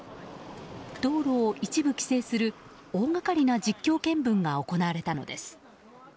道路を一部規制する大掛かりな実況見分が行われたのです。